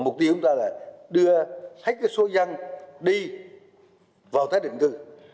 mục tiêu chúng ta là đưa hết cái số dân đi vào thái định cư